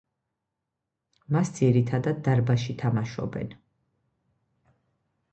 მას ძირითადად დარბაზში თამაშობენ.